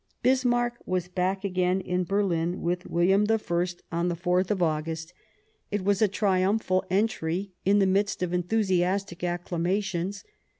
Bismarck was back again in Berlin with William I on the 4th of August ; it was a triumphal entry in the midst of enthusiastic acclamations.